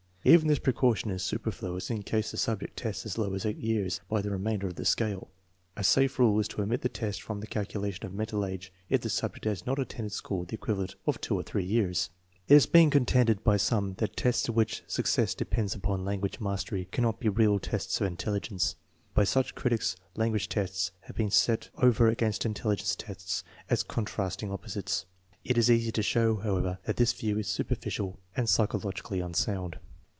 Even this pre caution is superfluous in case the subject tests as low as 8 years by the remainder of the scale. A safe rule is to omit the test from the calculation of mental age if the subject has not attended school the equivalent of two or three years. It has been contended by some that tests in which suc cess depends upon language mastery cannot be real tests of intelligence. By such critics language tests have been set over against intelligence tests as contrasting opposites. It is easy to show, however, that this view is superficial and psychologically unsound.